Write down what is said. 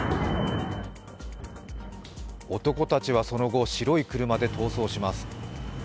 男たちはその後、白い車で逃走します。